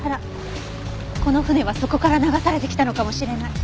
この舟はそこから流されてきたのかもしれない。